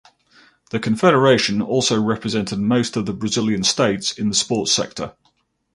The Confederation also represented most of the Brazilian states in the sports sector.